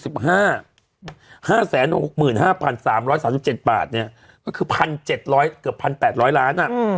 ๕๖๕บาท๕๖๕๓๓๗บาทเนี่ยก็คือ๑๗๐๐เกือบ๑๘๐๐ล้านอ่ะ